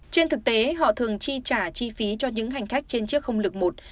trên thực tế họ thường chi trả chi phí cho những hành khách trên chiếc không lực một